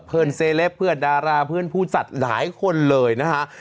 เซเลปเพื่อนดาราเพื่อนผู้จัดหลายคนเลยนะฮะ